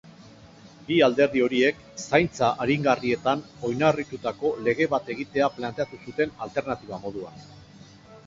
Bi alderdi horiek zaintza aringarrietan oinarritutako lege bat egitea planteatu zuten alternatiba moduan.